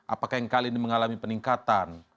apakah yang kali ini mengalami peningkatan